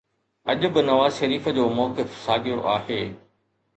اڄ به نواز شريف جو موقف ساڳيو آهي